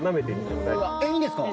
いいんですか！